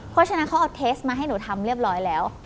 เพราะฉะนั้นเขาเอาเทสมาให้หนูทำเรียบร้อยแล้ว